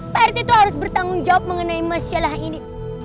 pak rt itu harus bertanggung jawab mengenai masalah ini